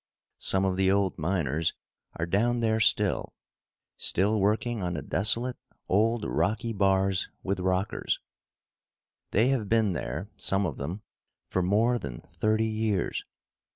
Some of the old miners are down there still still working on the desolate old rocky bars with rockers. They have been there, some of them, for more than thirty years.